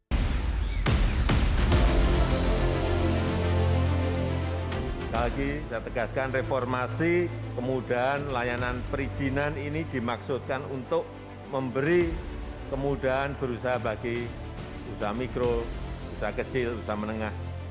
sekali lagi saya tegaskan reformasi kemudahan layanan perizinan ini dimaksudkan untuk memberi kemudahan berusaha bagi usaha mikro usaha kecil usaha menengah